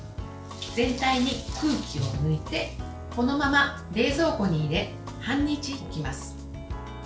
全体に空気を抜いてこのまま冷蔵庫に入れ半日置きます。